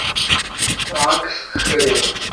دا عکس ښه دی